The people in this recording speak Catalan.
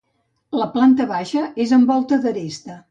La planta baixa és amb volta d'aresta.